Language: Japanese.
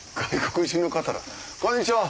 こんにちは。